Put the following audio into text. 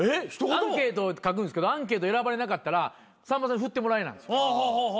アンケートを書くんですけどアンケート選ばれなかったらさんまさんに振ってもらえないんです。